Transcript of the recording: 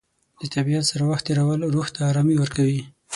د طبیعت سره وخت تېرول روح ته ارامي ورکوي.